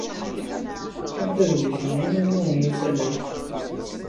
Fkant adlis-nni i yiwen n usalay.